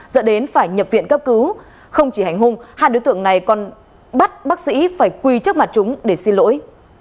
dẫn đến phải nhập viện cấp cứu không chỉ hành hung hai đối tượng này còn bắt bác sĩ phải quy trước mặt chúng để xin lỗi